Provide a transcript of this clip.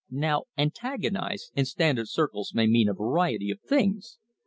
Now, "antagonise" in Standard circles may mean a variety of things.